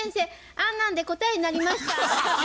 あんなんで答えになりますか？